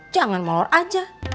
jangan malor aja